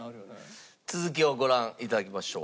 続きをご覧頂きましょう。